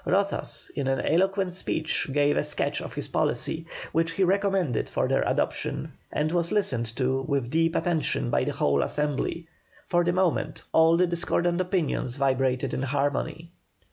Rozas in an eloquent speech gave a sketch of his policy, which he recommended for their adoption, and was listened to with deep attention by the whole Assembly; for the moment all the discordant opinions vibrated in harmony.